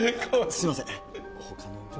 すみません。